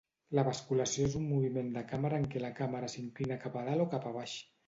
La basculació és un moviment de càmera en què la càmera s'inclina cap a dalt o cap a baix.